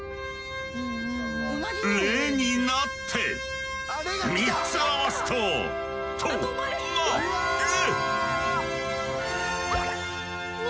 「れ」になって３つ合わすと「とまれ」。